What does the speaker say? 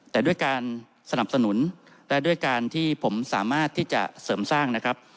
แต่ด้วยการสนับสนุนและด้วยการที่ผมสามารถที่จะเสริมสร้างนะครับ